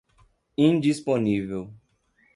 indisponível